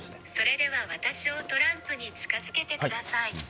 それでは私をトランプに近づけてください。